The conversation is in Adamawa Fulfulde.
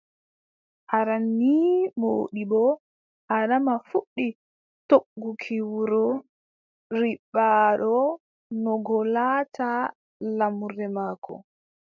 Aran nii Moodibbo Adama fuɗɗi togguki wuro Ribaaɗo no ngo laata laamurde maako.